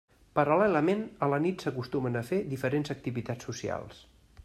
Paral·lelament a la nit s'acostumen a fer diferents activitats socials.